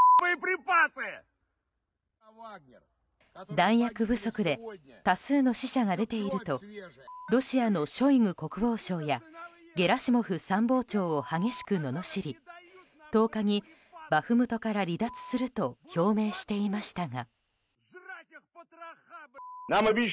弾薬不足で多数の死者が出ているとロシアのショイグ国防相やゲラシモフ参謀長を激しくののしり１０日にバフムトから離脱すると表明していましたが。